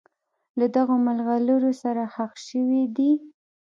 له دغو مرغلرو سره ښخ شوي دي.